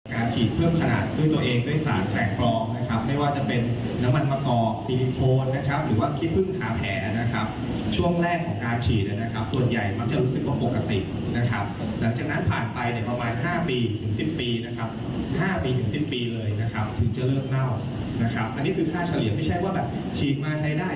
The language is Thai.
กรณาต้นได้ต้องถามว่าใช้ได้นานเท่าไหร่นะครับพวกเนี่ยโดยเฉลี่ยแล้วเกิน๑๐ปีไม่ล่อสักหลาย